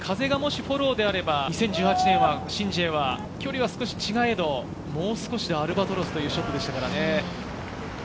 風がもしフォローであれば、２０１８年はシン・ジエは距離は少し違えど、もう少しでアルバトロスというショットでしたからね。